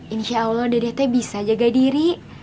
insya allah dedehnya bisa jaga diri